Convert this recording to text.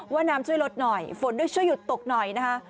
ว่าน้ำช่วยลดหน่อยฝนด้วยช่วยหยุดตกหน่อยนะคะ